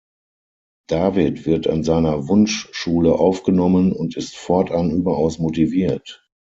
David wird an seiner Wunsch-Schule aufgenommen und ist fortan überaus motiviert.